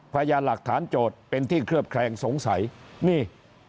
พยานหลักฐานโจทย์เป็นที่เคลือบแคลงสงสัยนี่